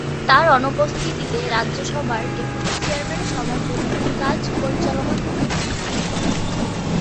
তাঁর অনুপস্থিতিতে রাজ্যসভার ডেপুটি চেয়ারম্যান সভার দৈনন্দিন কাজ পরিচালনা করেন।